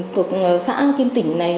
của xã kim tỉnh